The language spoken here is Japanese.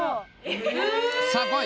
さあこい！